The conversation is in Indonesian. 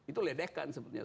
itu ledekan sebetulnya